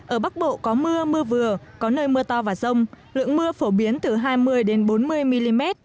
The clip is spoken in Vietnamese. ở bắc bộ có mưa mưa vừa có nơi mưa to và rông lượng mưa phổ biến từ hai mươi bốn mươi mm